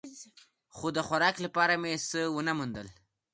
خو د خوراک لپاره مې څه و نه موندل.